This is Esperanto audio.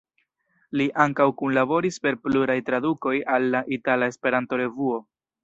Li ankaŭ kunlaboris per pluraj tradukoj al la "Itala Esperanto-Revuo".